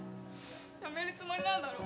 やめるつもりなんだろ。